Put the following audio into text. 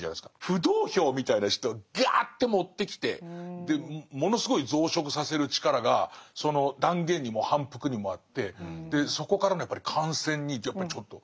浮動票みたいな人をガーッと持ってきてものすごい増殖させる力がその断言にも反復にもあってでそこからの感染にやっぱりちょっと。